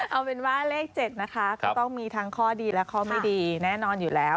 เอาเป็นว่าเลข๗นะคะก็ต้องมีทั้งข้อดีและข้อไม่ดีแน่นอนอยู่แล้ว